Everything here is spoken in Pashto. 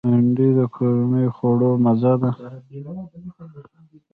بېنډۍ د کورنیو خوړو مزه ده